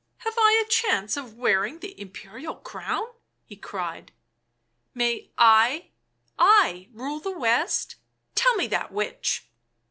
" Have I a chance of wearing the Imperial crown ?" he cried. "May I — I, rule the West? — Tell me that, witch!"